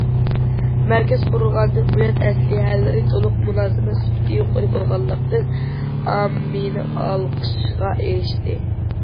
مەركەز قۇرۇلغاندىن بۇيان، ئەسلىھەلىرى تولۇق، مۇلازىمەت سۈپىتى يۇقىرى بولغانلىقتىن، ئاممىنىڭ ئالقىشىغا ئېرىشتى.